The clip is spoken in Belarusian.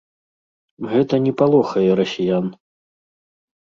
Гэта не палохае расіян.